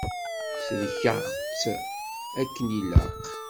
Sellkeɣ-tt akken ilaq.